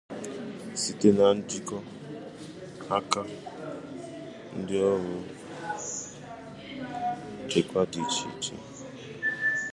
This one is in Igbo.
site na njikọ aka ndị ọrụ nchekwa dị iche iche.